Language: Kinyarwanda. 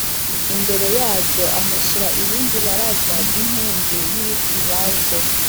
imbere yaryo ahashyira irindi baraza ry’inkingi n’ibiti bibajwe